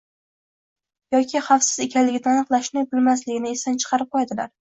yoki xavfsiz ekanligini aniqlashni bilmasligini esdan chiqarib qo‘yadilar.